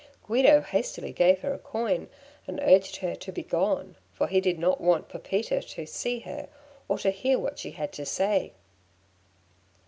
Guido hastily gave her a coin, and urged her to begone; for he did not want Pepita to see her, or to hear what she had to say.